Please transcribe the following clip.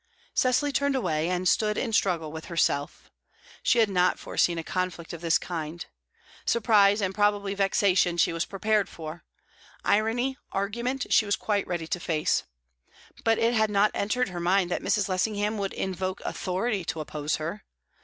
Cecily turned away, and stood in struggle with herself. She had not foreseen a conflict of this kind. Surprise, and probably vexation, she was prepared for; irony, argument, she was quite ready to face; but it had not entered her mind that Mrs. Lessingham would invoke authority to oppose her.